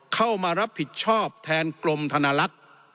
เข้ามารับผิดชอบแทนกรมธนลักษณ์